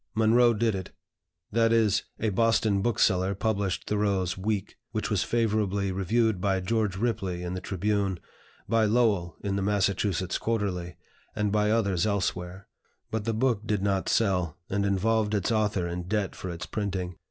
"Munroe did it," that is, a Boston bookseller published Thoreau's "Week," which was favorably reviewed by George Ripley in the "Tribune," by Lowell in the "Massachusetts Quarterly," and by others elsewhere; but the book did not sell, and involved its author in debt for its printing.